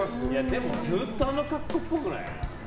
でもずっとあの格好っぽくない？